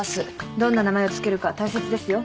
どんな名前を付けるか大切ですよ。